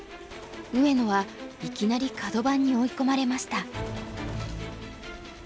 上野はいきなりカド番に追い込まれました。